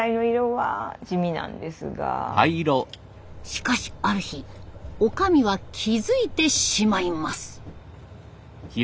しかしある日おかみは気付いてしまいます。